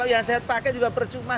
yang saya pakai juga percuma